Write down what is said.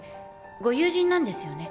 ご友人なんですよね？